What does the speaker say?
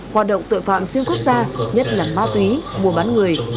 hoạt động tội phạm xuyên quốc gia nhất là ma túy mua bán người